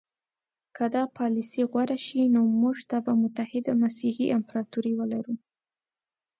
که دا پالیسي غوره شي نو موږ به متحده مسیحي امپراطوري لرو.